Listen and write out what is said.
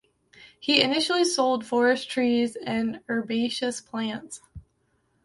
He initially sold forest trees and herbaceous plants.